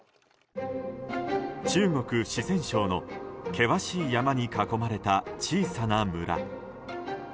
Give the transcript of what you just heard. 中国・四川省の険しい山に囲まれた小さな村。